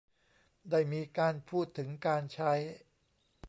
ได้มีการพูดถึงการใช้